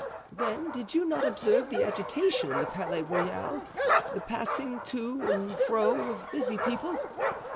Then did you not observe the agitation in the Palais Royal, the passing to and fro of busy people?